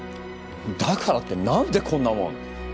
だからって何でこんなもん？